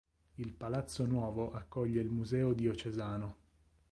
Il "Palazzo Nuovo" accoglie il Museo diocesano.